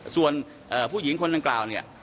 ส่วนผู้หญิงคนดังกล่าวเนี่ย